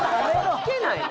聞けないの？